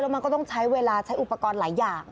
มันก็ต้องใช้เวลาใช้อุปกรณ์หลายอย่าง